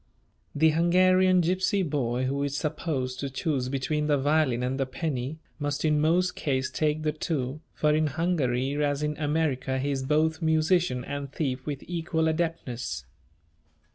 The Hungarian gypsy boy, who is supposed to choose between the violin and the penny, must in most cases take the two, for in Hungary as in America he is both musician and thief with equal adeptness.